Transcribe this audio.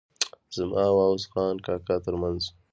زما او عوض خان کاکا ترمنځ.